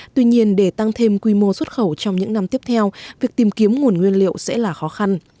tuy nhiên để tăng thêm quy mô xuất khẩu trong những năm tiếp theo việc tìm kiếm nguồn nguyên liệu sẽ là khó khăn